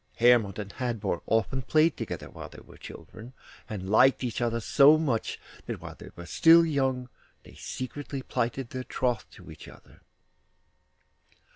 Hermod and Hadvor often played together while they were children, and liked each other so much that while they were still young they secretly plighted their troth to each other.